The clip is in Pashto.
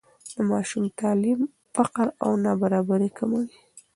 د ماشوم تعلیم فقر او نابرابري کموي.